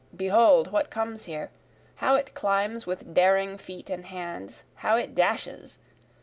behold what comes here, How it climbs with daring feet and hands how it dashes!